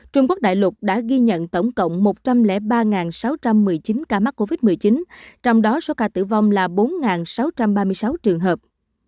trung quốc đại lục đã ghi nhận tổng cộng một trăm linh ba sáu trăm một mươi chín ca mắc covid một mươi chín trong đó số ca tử vong là bốn sáu trăm ba mươi sáu trường hợp